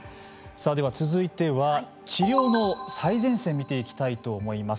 続いては治療の最前線を見ていきたいと思います。